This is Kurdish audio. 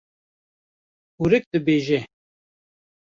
Kurik dibêje: